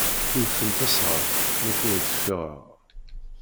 Wwten tasɣart, nekk ur d-ffiɣeɣ.